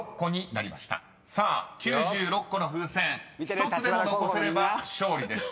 ［さあ９６個の風船１つでも残せれば勝利です］